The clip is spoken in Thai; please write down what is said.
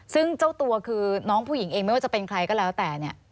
ซึ่งเจ้าตัวคือน้องผู้หญิงเองไม่ว่าจะเป็นใครก็แล้วแต่เนี่ย